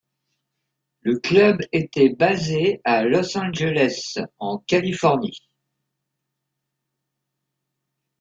Le club était basé à Los Angeles, en Californie.